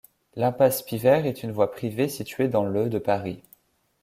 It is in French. L'impasse Piver est une voie privée située dans le de Paris.